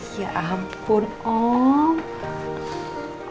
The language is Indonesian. ya ampun om